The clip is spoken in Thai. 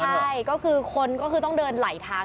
ใช่ก็คือคนก็คือต้องเดินไหลทาง